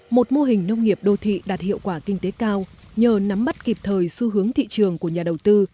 một mô hình nông nghiệp đô thị đạt hiệu quả kinh tế cao nhờ nắm bắt kịp thời xu hướng thị trường của nhà đầu tư